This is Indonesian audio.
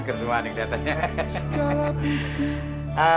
yang tak lupu dari berlalu